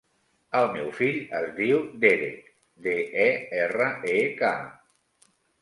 El meu fill es diu Derek: de, e, erra, e, ca.